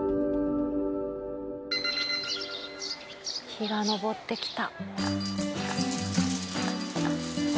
日が昇ってきた。